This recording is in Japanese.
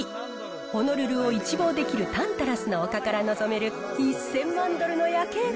ホノルルを一望できるタンタラスの丘から望める一千万ドルの夜景